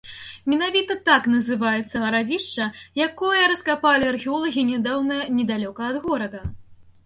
Менавіта так называецца гарадзішча, якое раскапалі археолагі нядаўна недалёка ад горада.